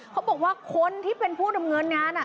เขาบอกว่าคนที่เป็นผู้ดำเนินงาน